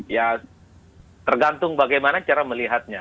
ya tergantung bagaimana cara melihatnya